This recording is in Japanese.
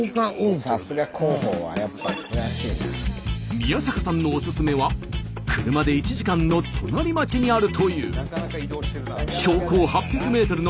宮坂さんのオススメは車で１時間の隣町にあるという。